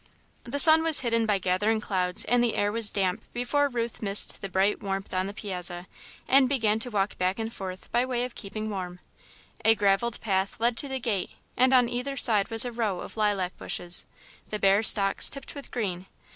The sun was hidden by gathering clouds and the air was damp before Ruth missed the bright warmth on the piazza, and began to walk back and forth by way of keeping warm. A gravelled path led to the gate and on either side was a row of lilac bushes, the bare stalks tipped with green.